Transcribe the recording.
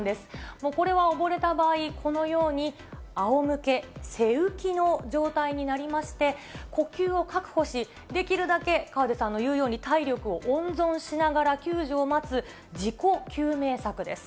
もうこれは溺れた場合、このようにあおむけ、背浮きの状態になりまして、呼吸を確保し、できるだけ河出さんの言うように、体力を温存しながら救助を待つ、自己救命策です。